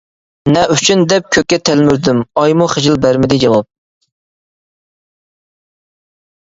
نە ئۈچۈن دەپ كۆككە تەلمۈردۈم، ئايمۇ خىجىل بەرمىدى جاۋاب.